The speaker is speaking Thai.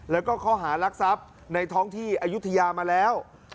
แล้วก็ข้อหารักทรัพย์ในท้องที่อายุทยามาแล้ว